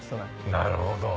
なるほど。